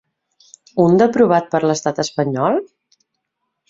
Un d’aprovat per l’estat espanyol?